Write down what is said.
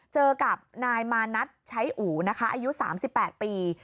เจอกับนายมาร์นัทใช้อู๋นะคะอายุสามสิบแปดปี